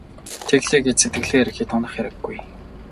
Тэглээ гээд сэтгэлээр хэт унах хэрэггүй.